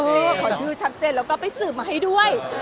ขอชื่อชัดเจนแล้วก็ไปสืบมาให้ด้วย